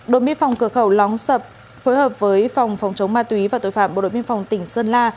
đội miên phòng cửa khẩu lóng sập phối hợp với phòng phòng chống ma túy và tội phạm bộ đội biên phòng tỉnh sơn la